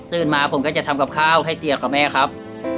มาผมก็จะทำกับข้าวให้เจียกับแม่ครับ